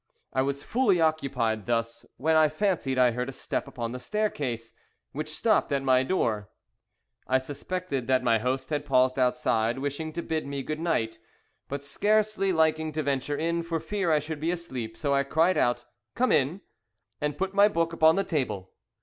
I was fully occupied thus, when I fancied I heard a step upon the staircase, which stopped at my door. I suspected that my host had paused outside, wishing to bid me good night, but scarcely liking to venture in for fear I should be asleep; so I cried out "Come in," and put my book upon the table.